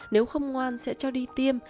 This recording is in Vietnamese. nếu không ngoan sẽ cho đi tiêm